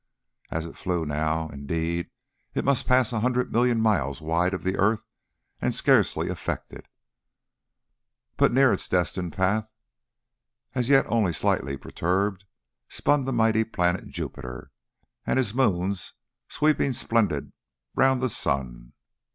As it flew now, indeed, it must pass a hundred million of miles wide of the earth and scarcely affect it. But near its destined path, as yet only slightly perturbed, spun the mighty planet Jupiter and his moons sweeping splendid round the sun.